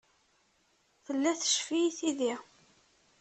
Tella teccef-iyi tidi.